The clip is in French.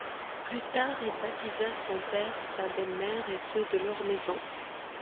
Plus tard il baptisa son père, sa belle-mère et ceux de leur maison.